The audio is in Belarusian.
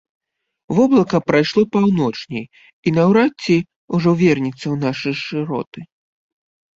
Воблака прайшло паўночней, і наўрад ці ўжо вернецца ў нашы шыроты.